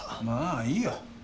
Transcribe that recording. まあいいよ。